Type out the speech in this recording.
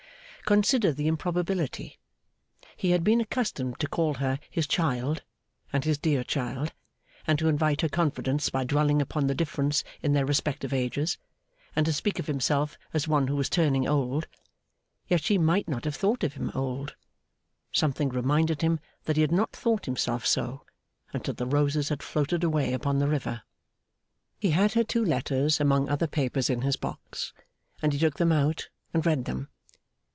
Consider the improbability. He had been accustomed to call her his child, and his dear child, and to invite her confidence by dwelling upon the difference in their respective ages, and to speak of himself as one who was turning old. Yet she might not have thought him old. Something reminded him that he had not thought himself so, until the roses had floated away upon the river. He had her two letters among other papers in his box, and he took them out and read them.